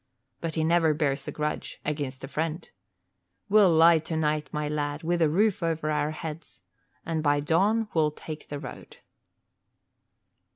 But he never bears a grudge against a friend. We'll lie tonight, my lad, with a roof over our heads, and by dawn we'll take the road."